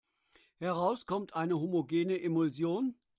Heraus kommt eine homogene Emulsion.